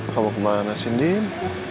kamu kemana sih andin